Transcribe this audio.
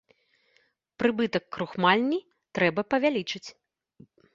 Прыбытак крухмальні трэба павялічыць.